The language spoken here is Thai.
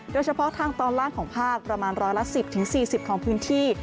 โดยเฉพาะทางตอนล่างของภาคประมาณ๑๑๐๔๐องศาของพื้นที่